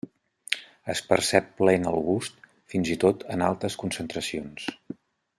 Es percep plaent al gust fins i tot en altes concentracions.